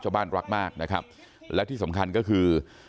รักมากนะครับและที่สำคัญก็คือ